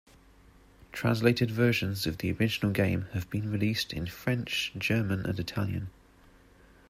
Translated versions of the original game have been released in French, German and Italian.